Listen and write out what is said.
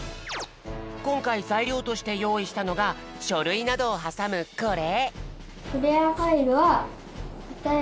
こんかいざいりょうとしてよういしたのがしょるいなどをはさむこれ。